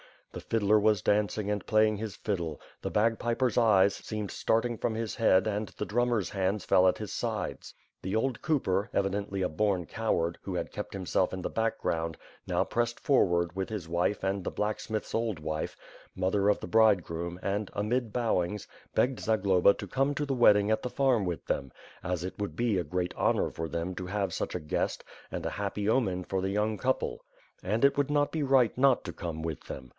The fiddler was dancing and playing his fiddle, the bagpiper's eyes seem starting from his head and the drum mer^s hands fell at his sides. The old cooper, evidently a bom coward, who had kept himself in the background now pressed forward with his wife and the blacksmith's old wife. 478 WITH FIRE AND SWORD. mother of the bridegroom and^ amid bowings, begged Za globa to come to the wedding at the farm with them; as it would be a great honor for them to have such a guest and a happy omen for the young couple; and it would not be right not to come with them.